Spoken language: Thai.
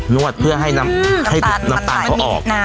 วดเพื่อให้น้ำตาลเขาออก